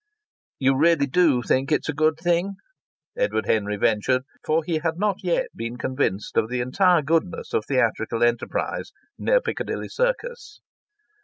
"You really do think it's a good thing?" Edward Henry ventured, for he had not yet been convinced of the entire goodness of theatrical enterprise near Piccadilly Circus.